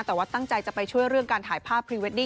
แต่ว่าตั้งใจจะไปช่วยเรื่องการถ่ายภาพพรีเวดดดี้